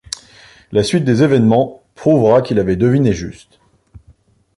La suite des événements prouvera qu'il avait deviné juste.